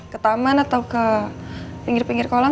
ke taman atau ke pinggir pinggir kolam